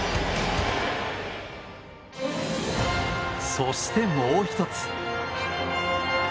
そして、もう１つ。